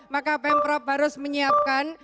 maka pemprov harus menyiapkan